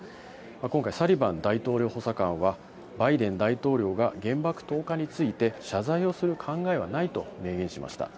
今回、サリバン大統領補佐官は、バイデン大統領が原爆投下について謝罪をする考えはないと明言しました。